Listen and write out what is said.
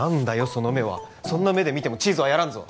その目はそんな目で見てもチーズはやらんぞ